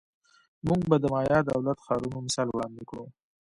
موږ به د مایا دولت ښارونو مثال وړاندې کړو